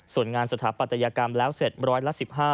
ส่วนงานสถาปัตยกรรมแล้วเสร็จร้อยละ๑๕